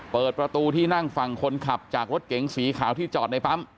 เปิดประตูที่นั่งฝั่งคนขับจากรถเก๋งสีขาวที่จอดในปั๊ม